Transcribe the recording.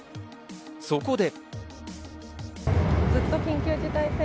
そこで。